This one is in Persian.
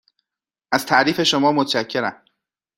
از تعریف شما متشکرم.